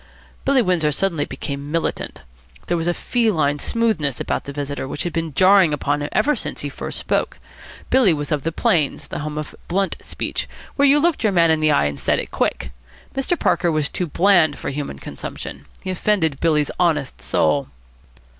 Billy Windsor suddenly became militant. There was a feline smoothness about the visitor which had been jarring upon him ever since he first spoke. Billy was of the plains, the home of blunt speech, where you looked your man in the eye and said it quick. Mr. Parker was too bland for human consumption. He offended Billy's honest soul.